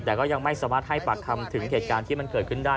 แต่ก็ยังไม่สามารถให้ปากคำถึงเหตุการณ์ที่มันเกิดขึ้นได้